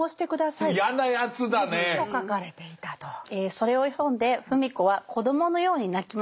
それを読んで芙美子は子どものように泣きます。